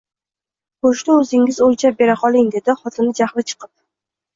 Go`shtni o`zingiz o`lchab bera qoling, dedi xotini jahli chiqib